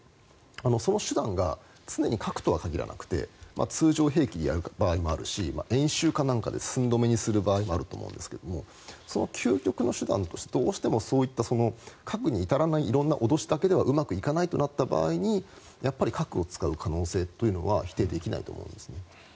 その手段が常に核とは限らなくて通常兵器である場合もあるし演習かなんかで寸止めにする場合もあると思うんですけどもその究極の手段としてどうしてもそういった核に至らない色んな脅しだけではうまくいかないとなった場合にやっぱり核を使う可能性は否定できないと思うんですね。